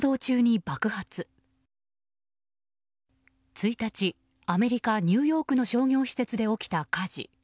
１日アメリカ・ニューヨークの商業施設で起きた火事。